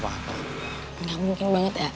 enggak mungkin banget